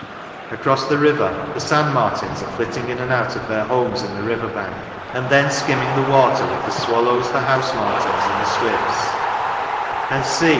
Across the river the sand martins are flitting in and out of their homes in the river bank, and then skimming the water with the swallows, the house martins and the swifts; and see!